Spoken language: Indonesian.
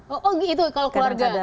oh gitu kalau keluarga